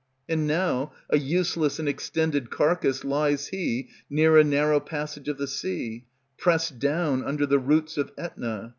And now a useless and extended carcass Lies he near a narrow passage of the sea, Pressed down under the roots of Ætna.